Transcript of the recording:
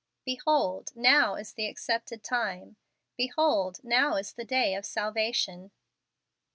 " Behold , now is the accepted time; behold , now is the day of salvation."